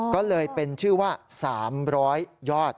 ก็เลยเป็นชื่อว่า๓๐๐ยอด